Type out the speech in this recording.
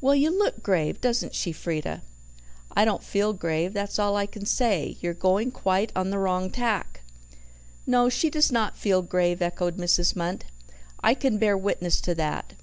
"Well, you look grave; doesn't she, Frieda?" "I don't feel grave, that's all I can say; you're going quite on the wrong tack." "No, she does not feel grave," echoed Mrs. Munt. "I can bear witness to that.